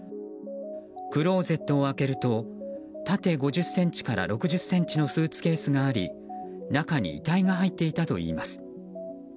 クローゼットを開けると縦５０ｃｍから６０ｃｍのスーツケースがあり中に遺体が入っていたといいます。